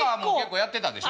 やってたでしょ？